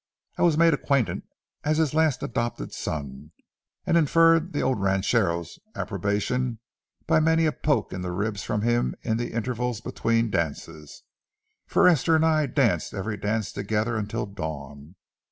I was made acquainted as his latest adopted son, and inferred the old ranchero's approbation by many a poke in the ribs from him in the intervals between dances; for Esther and I danced every dance together until dawn.